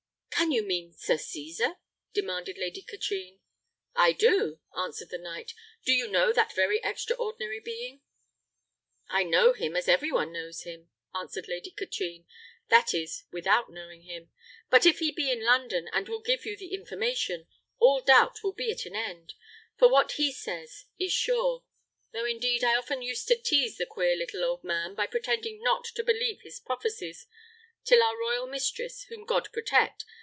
"Can you mean Sir Cesar?" demanded Lady Katrine. "I do," answered the knight. "Do you know that very extraordinary being?" "I know him as every one knows him," answered Lady Katrine; "that is, without knowing him. But if he be in London, and will give you the information, all doubt will be at an end; for what he says is sure: though, indeed, I often used to tease the queer little old man, by pretending not to believe his prophecies, till our royal mistress, whom God protect!